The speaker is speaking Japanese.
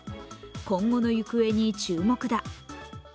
今後の行方に注目だ。